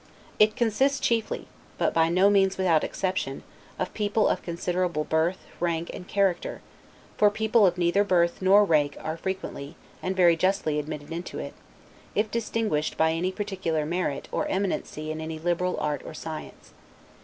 It consists chiefly (but by no means without exception) of people of considerable birth, rank, and character; for people of neither birth nor rank are frequently, and very justly admitted into it, if distinguished by any peculiar merit, or eminency in any liberal art or science.